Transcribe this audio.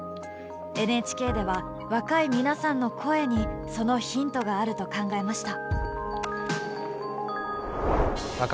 ＮＨＫでは、若い皆さんの声にそのヒントがあると考えました。